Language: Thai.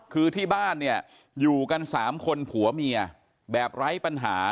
คือที่บ้านเนี่ยอยู่กัน๓คนผัวเมียแบบไร้ปัญหา